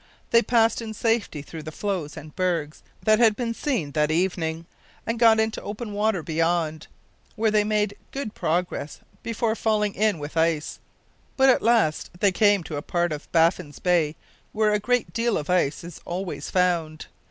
They passed in safety through the floes and bergs that had been seen that evening, and got into open water beyond, where they made made good progress before falling in with ice; but at last they came to a part of Baffin's Bay where a great deal of ice is always found.